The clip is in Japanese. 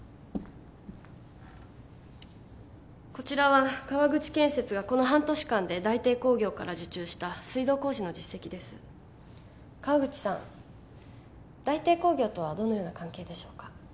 こちらは川口建設がこの半年間で大帝工業から受注した水道工事の実績です川口さん大帝工業とはどのような関係でしょうか？